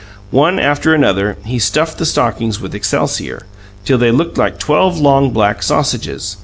One after another, he stuffed the stockings with excelsior, till they looked like twelve long black sausages.